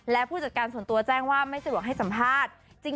และผู้จัดการส่วนตัวแจ้งว่าไม่สะดวกให้สัมภาษณ์